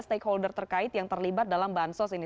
stakeholder terkait yang terlibat dalam bansos ini